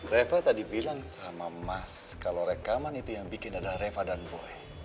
reva tadi bilang sama mas kalau rekaman itu yang bikin adalah reva dan boy